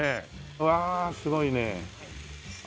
うわすごいね。